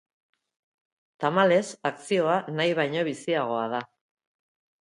Tamalez, akzioa nahi baino biziagoa da.